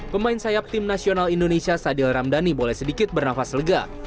pemain sayap tim nasional indonesia sadil ramdhani boleh sedikit bernafas lega